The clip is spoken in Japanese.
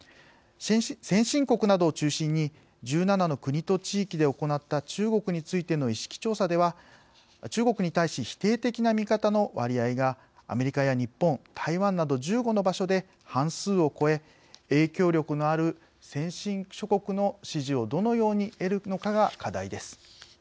先進国などを中心に１７の国と地域で行った中国についての意識調査では中国に対し否定的な見方の割合がアメリカや日本、台湾など１５の場所で半数を超え影響力のある先進諸国の支持をどのように得るのかが課題です。